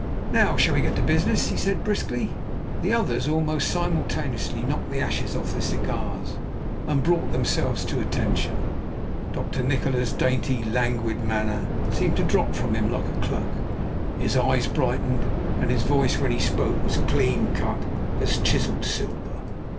"Now shall we get to business?" he said briskly. The others almost simultaneously knocked the ashes off their cigars and brought themselves to attention. Dr. Nikola's dainty, languid manner seemed to drop from him like a cloak, his eyes brightened, and his voice, when he spoke, was clean cut as chiselled silver.